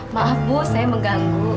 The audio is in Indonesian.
maaf bu saya mengganggu